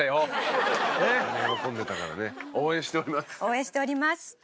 応援しております。